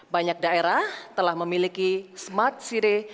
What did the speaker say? banyak daerah telah memiliki smart city